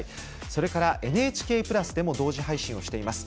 それから「ＮＨＫプラス」でも同時配信しています。